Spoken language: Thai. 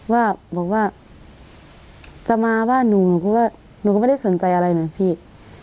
ว่าบอกว่าจะมาบ้านหนูหนูก็ไม่ได้สนใจอะไรนะพี่